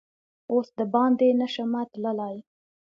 اوس دباندې نه شمه تللا ی